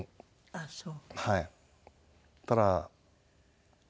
ああそう。